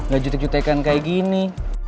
gak jutek jutekan kayak gini